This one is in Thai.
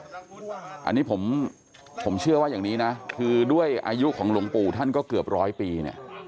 อันนี้ผมเชื่อว่าอย่างนี้นะคือด้วยอายุของหลวงปู่ท่านก็เกือบร้อยปีเนี่ย